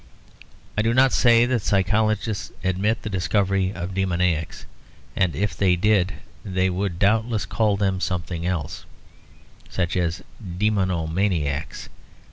I do not say that psychologists admit the discovery of demoniacs; and if they did they would doubtless call them something else, such as demono maniacs.